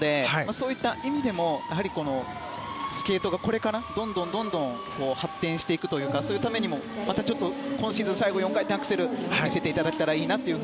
そういった意味でもスケートがこれからどんどん発展していくというかそういうためにもまたちょっと今シーズン最後４回転アクセルを見せていただけたらいいなと。